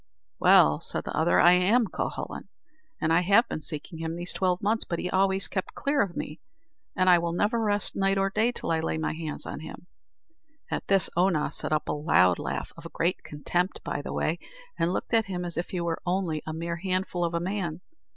"Well," said the other, "I am Cuhullin, and I have been seeking him these twelve months, but he always kept clear of me; and I will never rest night or day till I lay my hands on him." At this Oonagh set up a loud laugh, of great contempt, by the way, and looked at him as if he was only a mere handful of a man.